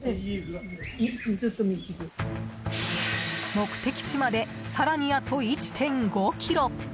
目的地まで更にあと１．５ｋｍ。